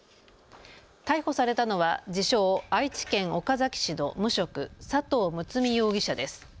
逮捕されたのは自称、愛知県岡崎市の無職、佐藤睦容疑者です。